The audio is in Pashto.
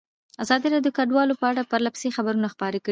ازادي راډیو د کډوال په اړه پرله پسې خبرونه خپاره کړي.